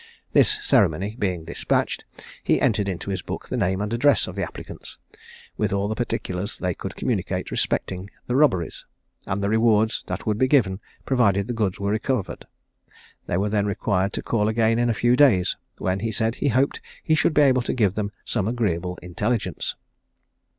This ceremony being despatched, he entered into his book the name and address of the applicants, with all the particulars they could communicate respecting the robberies, and the rewards that would be given provided the goods were recovered: they were then required to call again in a few days, when, he said, he hoped he should be able to give them some agreeable intelligence.